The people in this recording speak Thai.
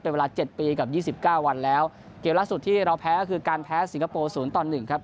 เป็นเวลา๗ปีกับ๒๙วันแล้วเกมล่าสุดที่เราแพ้ก็คือการแพ้สิงคโปร์๐๑ครับ